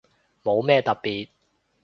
冇咩特別